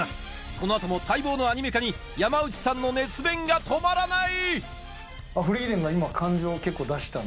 この後も待望のアニメ化に山内さんの熱弁が止まらない！